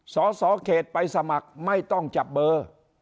สสเขตไปสมัครไม่ต้องจับเบอร์